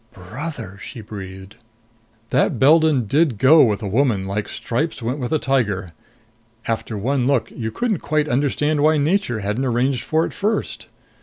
"Brother!" she breathed. That Beldon did go with a woman like stripes went with a tiger! After one look, you couldn't quite understand why nature hadn't arranged for it first.